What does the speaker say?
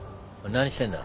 何してんだ？